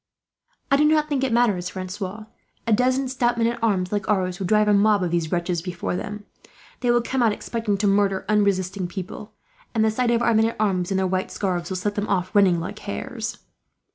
"I do not think it matters, Francois. A dozen stout men at arms, like ours, would drive a mob of these wretches before them. They will come out expecting to murder unresisting people; and the sight of our men at arms, in their white scarves, will set them off running like hares."